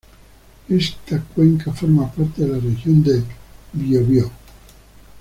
Esta cuenca forma parte de la Región del Biobío.